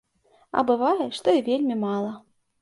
А бывае, што і вельмі мала.